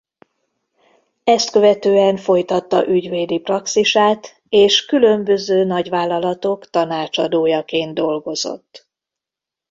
Ezt követően folytatta ügyvédi praxisát és különböző nagyvállalatok tanácsadójaként dolgozott.